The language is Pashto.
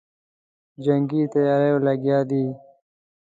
جنګي تیاریو لګیا دی.